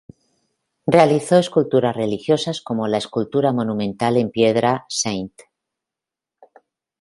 Realizó esculturas religiosas, como la escultura monumental en piedra “St.